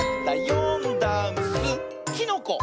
「よんだんす」「きのこ」！